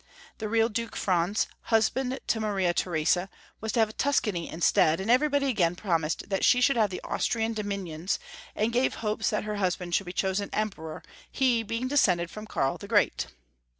The real Duke Franz, husband to Maria Theresa, was to have Tuscany instead, and everybody again promised that she should have the Austrian dominions, and gave hopes that her husband should be chosen Emperor, he being descended from Karl the Great.